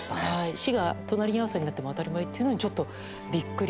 死が隣り合わせになっても当たり前っていうのにちょっとびっくり。